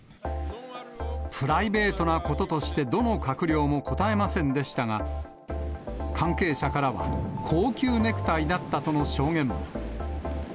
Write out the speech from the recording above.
プライベートなこととして、どの閣僚も答えませんでしたが、関係者からは、高級ネクタイだったとの証言も。